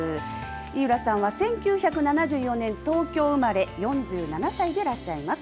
井浦さんは１９７４年、東京生まれ、４７歳でいらっしゃいます。